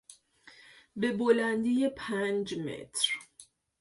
به بلندی پنج متر